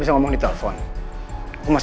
kita akan misi baron abdul names